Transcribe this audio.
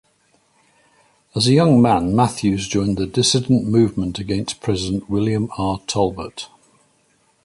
As a young man, Matthews joined the dissident movement against President William R. Tolbert.